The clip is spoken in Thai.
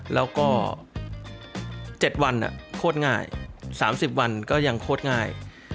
แล้วก็๗วันโคตรง่าย๓๐วันก็ยังโคตรง่าย